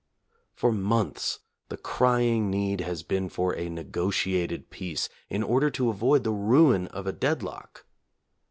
For months the crying need has been for a negotiated peace, in order to avoid the ruin of a deadlock.